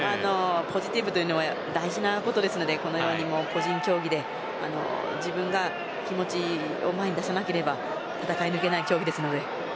ポジティブというのは大事なことですので個人競技で自分が気持ちを前に出さなければ戦い抜けない競技ですので。